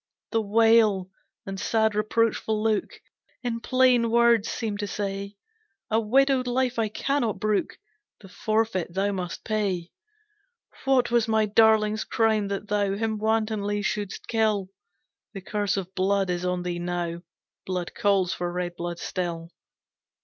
"The wail and sad reproachful look In plain words seemed to say, A widowed life I cannot brook, The forfeit thou must pay. "What was my darling's crime that thou Him wantonly shouldst kill? The curse of blood is on thee now, Blood calls for red blood still.